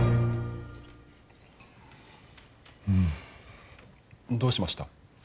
うん。どうしました？